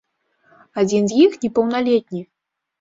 Адзін з іх непаўналетні.